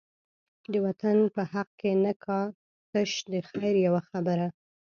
د وطن په حق کی نه کا، تش د خیر یوه خبره